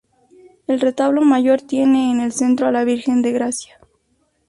El retablo mayor tiene en el centro a la Virgen de Gracia.